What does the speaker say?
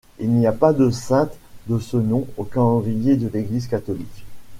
Il n'y a pas de sainte de ce nom au calendrier de l'Église catholique.